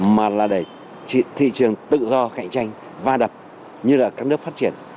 mà là để thị trường tự do cạnh tranh va đập như là các nước phát triển